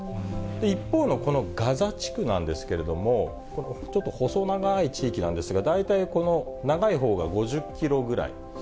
一方のこのガザ地区なんですけれども、ちょっと細長い地域なんですが、大体この長いほうが５０キロぐらい。